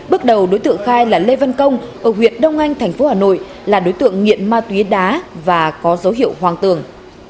bước đầu đối tượng khai là lê văn công ở huyện đông anh tp hà nội là đối tượng nghiện ma túy đá và có dấu hiệu hoàng tường